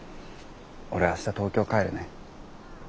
俺明日東京帰るね。